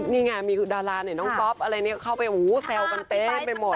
นี่ไงมีดาราเนี่ยน้องก๊อฟอะไรเนี่ยเข้าไปแซวกันเต็มไปหมด